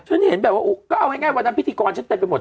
ฉันเห็นแบบว่าก็เอาง่ายวันนั้นพิธีกรฉันเต็มไปหมด